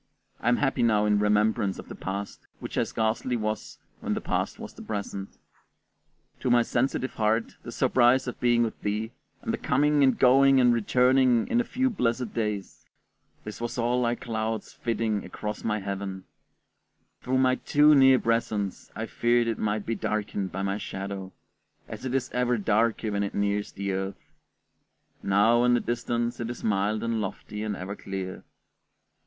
I am happy now in remembrance of the past, which I scarcely was when that past was the present. To my sensitive heart the surprise of being with thee, the coming and going and returning in a few blessed days this was all like clouds flitting across my heaven; through my too near presence I feared it might be darkened by my shadow, as it is ever darker when it nears the earth; now, in the distance, it is mild and lofty and ever clear.